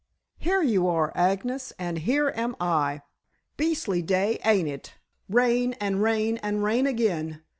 "Here you are, Agnes, and here am I. Beastly day, ain't it? Rain and rain and rain again.